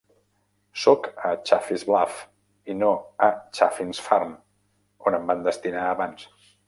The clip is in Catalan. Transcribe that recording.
Sóc a Chaffin's Bluff i no a Chaffin's Farm, on em van destinar abans.